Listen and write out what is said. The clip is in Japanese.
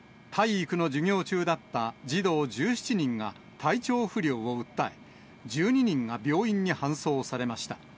体育の授業中だった児童１７人が体調不良を訴え、１２人が病院に搬送されました。